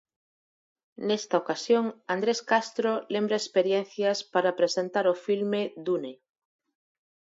Nesta ocasión, Andrés Castro lembra experiencias para presentar o filme Dune.